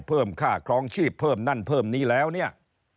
เพิ่มค่าครองชีพเพิ่มนั่นเพิ่มนี้แล้วเนี่ย